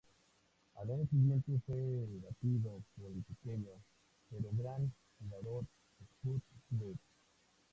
Al año siguiente, fue batido por el pequeño, pero gran jugador Spud Webb.